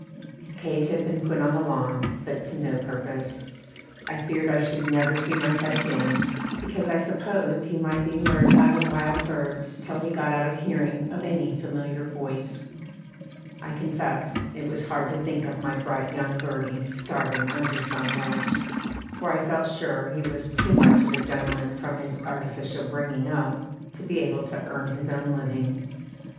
His cage had been put on the lawn, but to no purpose. I feared I should never see my pet again, because I supposed he might be lured by the wild birds till he got out of hearing of any familiar voice. I confess it was hard to think of my bright young birdie starving under some hedge, for I felt sure he was too much of a gentleman from his artificial bringing up to be able to earn his own living.